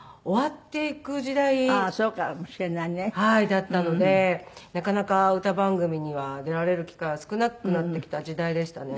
だったのでなかなか歌番組には出られる機会は少なくなってきた時代でしたね。